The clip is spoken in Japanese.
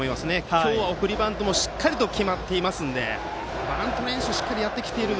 今日は送りバントもしっかりと決まっていますのでバント練習をしっかりやってきている。